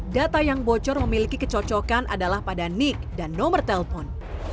data yang bocor memiliki kecocokan adalah pada nic dan nomor telepon